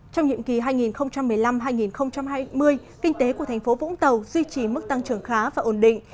trong nhiệm kỳ hai nghìn một mươi năm hai nghìn hai mươi kinh tế của thành phố vũng tàu duy trì mức tăng trưởng khá và ổn định